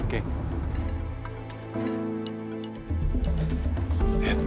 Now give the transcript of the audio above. mau ngapain tuh orang